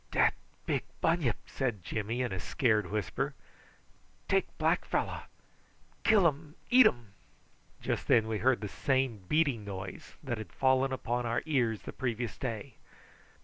"Dat big bunyip," said Jimmy in a scared whisper. "Take black fellow kill um, eatum." Just then we heard the same beating noise that had fallen upon our ears the previous day.